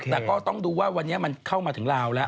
แต่ก็ต้องดูว่าวันนี้มันเข้ามาถึงลาวแล้ว